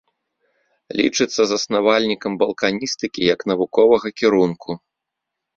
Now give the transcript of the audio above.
Лічыцца заснавальнікам балканістыкі як навуковага кірунку.